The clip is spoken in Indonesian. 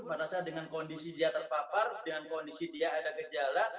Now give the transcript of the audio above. pada saat dengan kondisi dia terpapar dengan kondisi dia ada gejala